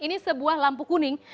ini sebuah lampu kuning